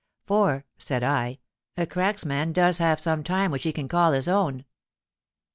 'For,' said I, 'a cracksman does have some time which he can call his own.